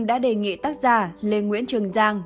đã đề nghị tác giả lê nguyễn trường giang